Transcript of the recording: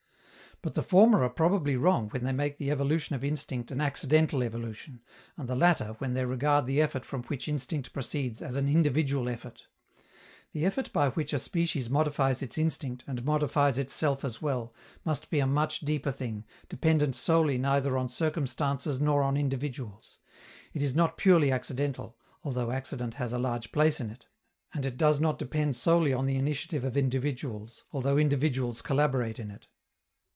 But the former are probably wrong when they make the evolution of instinct an accidental evolution, and the latter when they regard the effort from which instinct proceeds as an individual effort. The effort by which a species modifies its instinct, and modifies itself as well, must be a much deeper thing, dependent solely neither on circumstances nor on individuals. It is not purely accidental, although accident has a large place in it; and it does not depend solely on the initiative of individuals, although individuals collaborate in it.